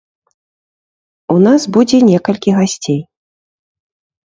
У нас будзе некалькі гасцей.